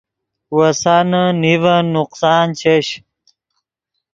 وسانے نیڤن نقصان چش